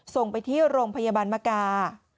ส่งไปที่โรงพยาบาลมกา